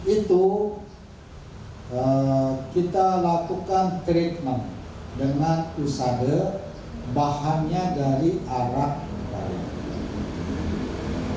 itu kita lakukan treatment dengan usada bahannya dari arak balik